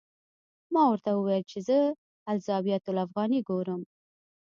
ما ورته وویل چې زه الزاویة الافغانیه ګورم.